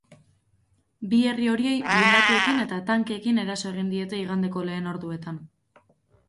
Bi herri horiei blindatuekin eta tankeekin eraso egin diete igandeko lehen orduetan.